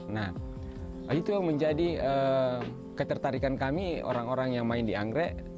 nah itu yang menjadi ketertarikan kami orang orang yang main di anggrek